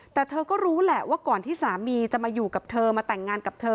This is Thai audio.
แต่เธอก็รู้แหละว่าก่อนที่สามีจะมาอยู่กับเธอมาแต่งงานกับเธอ